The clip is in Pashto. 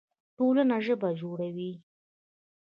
ټولنه ژبه جوړوي.